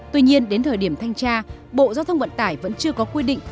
tuy nhiên đến thời điểm thanh tra bộ giao thông vận tải vẫn chưa có quy định